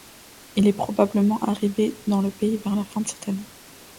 Il est probablement arrivé dans le pays vers la fin de cette année.